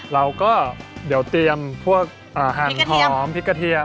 เราก็เดี๋ยวเตรียมพวกหั่นหอมพริกกระเทียม